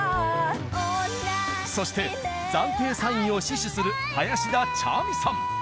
そして暫定３位を死守する林田茶愛美さん。